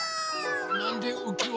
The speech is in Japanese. なんでうきわ。